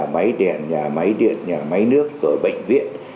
máy đèn máy điện máy nước bệnh viện